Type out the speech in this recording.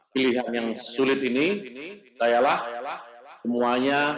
pilihan yang sulit ini sayalah semuanya